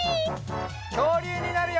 きょうりゅうになるよ！